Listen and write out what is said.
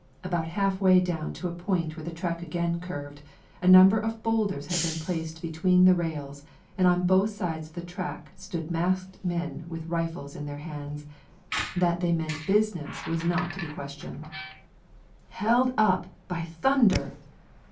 About half way down to a point where the track again curved, a number of boulders had been placed between the rails, and on both sides of the track stood masked men with rifles in their hands. That they meant business was not to be questioned. "Held up, by thunder!"